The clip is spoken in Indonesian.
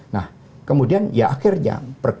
nah kemudian ya akhirnya